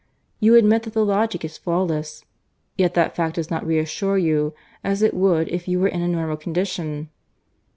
You admit that the logic is flawless, yet that fact does not reassure you, as it would if you were in a normal condition."